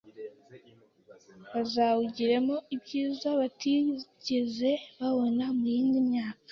bazawugiremo ibyiza batigeze babona muyindi myaka